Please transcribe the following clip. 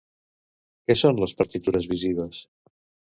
Què són les partitures-visives?